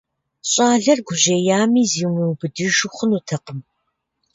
ЩӀалэр гужьеями, зимыубыдыжу хъунутэкъым.